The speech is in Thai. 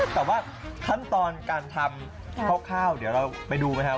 แต่ว่าขั้นตอนการทำคร่าวเดี๋ยวเราไปดูไหมครับ